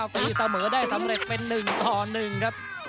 ฟีเสมอได้สำเร็จเป็นหนึ่งต่อหนึ่งครับ